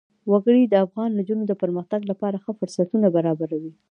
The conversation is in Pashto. وګړي د افغان نجونو د پرمختګ لپاره ښه فرصتونه برابروي.